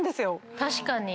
確かに。